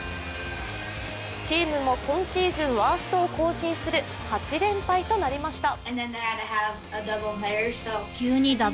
チームも今シーズンワーストを更新する８連敗となりました。